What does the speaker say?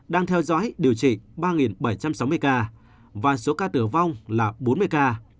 đang theo dõi điều trị ba bảy trăm sáu mươi ca và số ca tử vong là bốn mươi ca